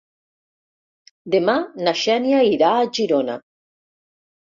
Demà na Xènia irà a Girona.